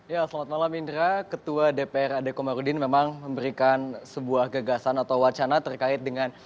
ya selamat malam indra ketua dpr adekomarudin memang memberikan sebuah gagasan atau wacana terkait dengan